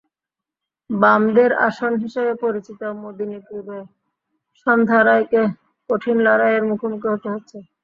বামদের আসন হিসেবে পরিচিত মেদিনীপুরে সন্ধ্যা রায়কে কঠিন লড়াইয়ের মুখোমুখি হতে হচ্ছে।